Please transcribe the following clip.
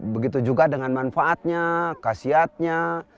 begitu juga dengan manfaatnya kasiatnya